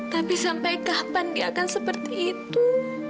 tapi sampai kapan dia akan seperti itu